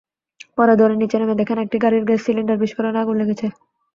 পরে দৌড়ে নিচে নেমে দেখেন, একটি গাড়ির গ্যাস সিলিন্ডার বিস্ফোরণে আগুন লেগেছে।